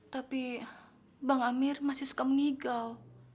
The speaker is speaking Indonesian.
tapi bang amir masih suka mengigau